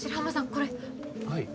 これはい